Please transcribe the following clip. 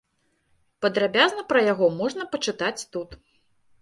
Падрабязна пра яго можна пачытаць тут.